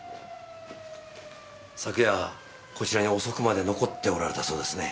昨夜こちらに遅くまで残っておられたそうですね。